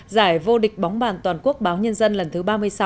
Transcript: giải vô địch bóng bàn toàn quốc báo nhân dân lần thứ ba mươi sáu